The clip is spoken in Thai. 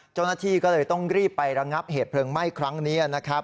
เจ้าหน้าที่ก็เลยต้องรีบไประงับเหตุเพลิงไหม้ครั้งนี้นะครับ